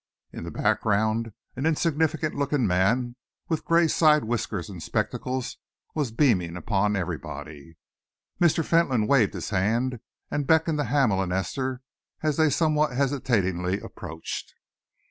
In the background, an insignificant looking man with grey side whiskers and spectacles was beaming upon everybody. Mr. Fentolin waved his hand and beckoned to Hamel and Esther as they somewhat hesitatingly approached.